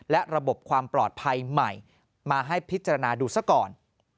และระบบความปลอดภัยใหม่มาให้พิจารณาดูซะก่อน